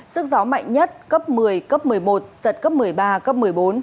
sức gió mạnh nhất cấp một mươi cấp một mươi một giật cấp một mươi ba cấp một mươi bốn